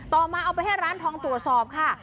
เอามาเอาไปให้ร้านทองตรวจสอบค่ะ